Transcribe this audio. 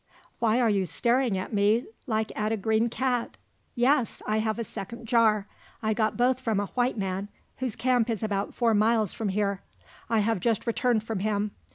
Why are you staring at me like at a green cat? Yes! I have a second jar. I got both from a white man, whose camp is about four miles from here. I have just returned from him.